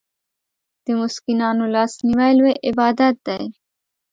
د مسکینانو لاسنیوی لوی عبادت دی.